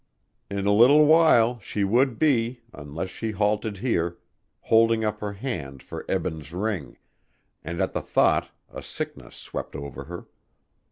In a little while she would be unless she halted here holding up her hand for Eben's ring, and at the thought a sickness swept over her.